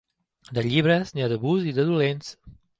De llibres n'hi ha de bons i de dolents.